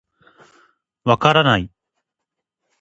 分からない。